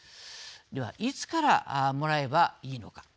では、いつからもらえばいいのか。